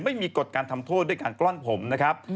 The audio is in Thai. ไม่มีกฎการทำโทษด้วยการกล้อนผมนะครับ